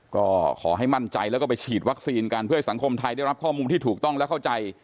ก็ขอให้มั่นใจแล้วก็ไปฉีดวัคซีนกันเพื่อให้สังคมไทยได้รับข้อมูลที่ถูกต้องและเข้าใจ